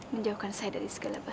menjauhkan saya dari segala